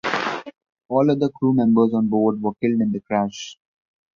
All other crew members on board were killed in the crash.